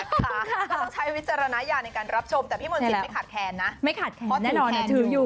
ต้องใช้วิจารณญาในการรับชมแต่พี่นันไม่ขาดแคลนนะไม่ขาดแคลนแน่นอน